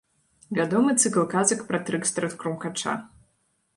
Вядомы цыкл казак пра трыкстэра-крумкача.